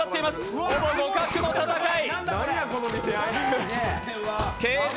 ほぼ互角の戦い。